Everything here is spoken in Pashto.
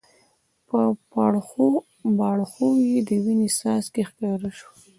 پر باړخو یې د وینې څاڅکي ښکاره شول.